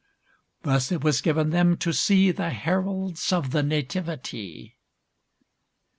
Thus it was given them to see The heralds of the nativity.